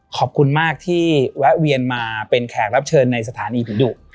ขอบคุณมากที่แวะเวียนมาเป็นแขกรับเชิญในสถานีผีดุ